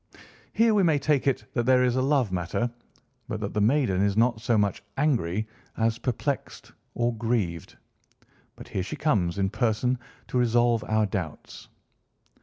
Here we may take it that there is a love matter, but that the maiden is not so much angry as perplexed, or grieved. But here she comes in person to resolve our doubts."